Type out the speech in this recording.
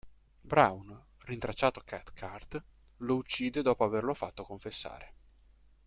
Brown, rintracciato Cathcart, lo uccide dopo averlo fatto confessare.